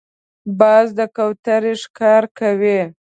باز د کوترې ښکار کوي